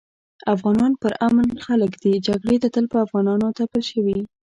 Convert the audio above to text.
افغانان پر امن خلک دي جګړي تل په افغانانو تپل شوي